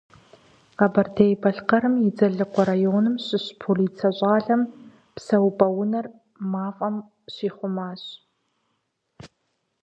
Къэбэрдей-Балъкъэрым и Дзэлыкъуэ районым щыщ полицэ щӏалэм псэупӀэ унэр мафӀэм щихъумащ.